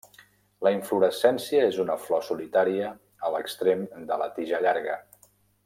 La inflorescència és una flor solitària a l'extrem de la tija llarga.